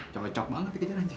cocok banget dikejar anjing